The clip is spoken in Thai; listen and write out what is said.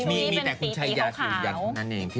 มีแต่คุณชายยาสุดยัง